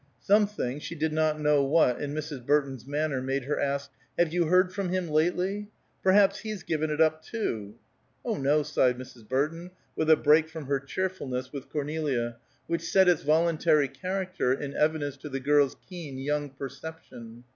Something, she did not know what, in Mrs. Burton's manner, made her ask: "Have you heard from him lately? Perhaps he's given it up, too!" "Oh, no!" sighed Mrs. Burton, with a break from her cheerfulness with Cornelia, which set its voluntary character in evidence to the girl's keen, young perception.